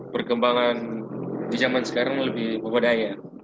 perkembangan di jaman sekarang lebih membedai ya